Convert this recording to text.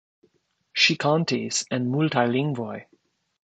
Ŝi kantis en multaj lingvoj.